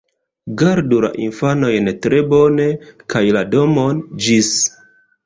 Gardu la infanojn tre bone, kaj la domon! Ĝis!